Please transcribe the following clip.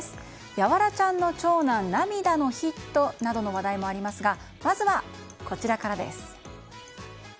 ヤワラちゃんの長男涙のヒットなどの話題もありますがまずは、こちらからです。